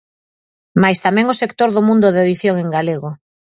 Mais tamén o sector do mundo da edición en galego.